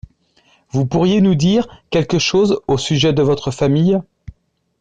Vous pourriez nous dire quelque chose au sujet de votre famille ?